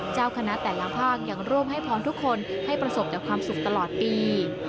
เจ้าคณะแต่ละภาคยังร่วมให้พรทุกคนให้ประสบแต่ความสุขตลอดปี